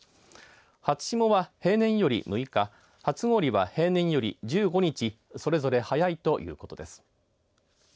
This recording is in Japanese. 初霜は平年より６日初氷は平年より１５日それぞれ早いということです。